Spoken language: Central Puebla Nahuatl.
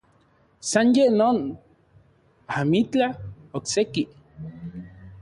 San ye non, amitlaj okse-ki.